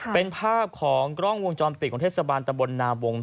เป็นภาพของกล้องวงจรปิดของเทศบาลตะบลนาวง